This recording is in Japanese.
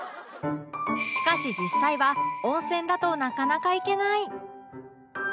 しかし実際は温泉だとなかなか行けない